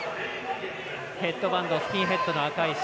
ヘッドバンドスキンヘッドの赤石。